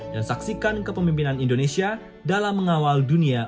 dan saksikan kepemimpinan indonesia dalam mengawal dunia